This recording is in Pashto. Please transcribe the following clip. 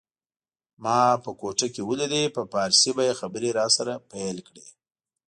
ما به په کوټه کي ولید په پارسي به یې خبري راسره پیل کړې